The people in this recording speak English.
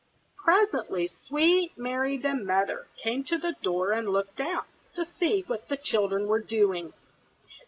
Presently sweet Mary the Mother came to the door and looked out, to see what the children were doing.